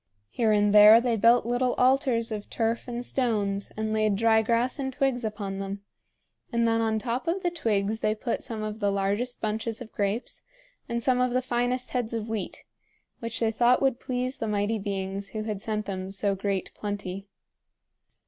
Here and there they built little altars of turf and stones and laid dry grass and twigs upon them; and then on top of the twigs they put some of the largest bunches of grapes and some of the finest heads of wheat, which they thought would please the Mighty Beings who had sent them so great plenty.